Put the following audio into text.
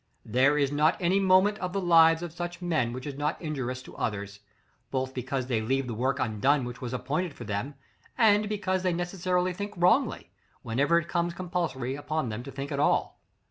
There is not any moment of the lives of such men which is not injurious to others; both because they leave the work undone which was appointed for them, and because they necessarily think wrongly, whenever it becomes compulsory upon them to think at all.